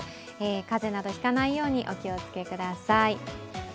風邪など引かないようにお気をつけください。